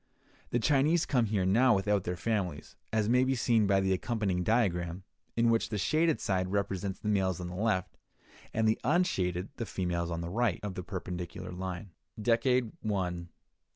The Chinese come here now without their families, as may be seen by the accompanying diagram, in which the shaded side represents the males on the left, and the unshaded the females on the right, of the perpendicular line. Decade.